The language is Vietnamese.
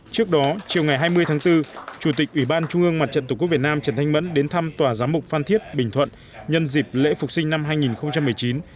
trước đó chiều ngày hai mươi tháng bốn chủ tịch ủy ban trung ương mặt trận tổ quốc việt nam trần thanh mẫn đến thăm tòa giám mục phan thiết bình thuận nhân dịp lễ phục sinh năm hai nghìn một mươi chín